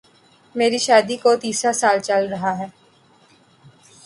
میری شادی کو تیسرا سال چل رہا ہے